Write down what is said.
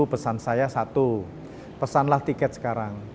pesan saya satu pesanlah tiket sekarang